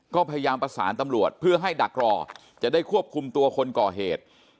ก็พยายามประสานตำรวจเพื่อให้ดักรอจะได้ควบคุมตัวคนก่อเหตุ